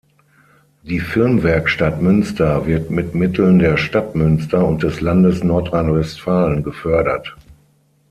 Die Filmwerkstatt Münster wird mit Mitteln der Stadt Münster und des Landes Nordrhein-Westfalen gefördert.